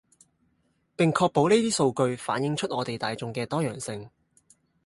並確保呢啲數據反映出我地大衆既多樣性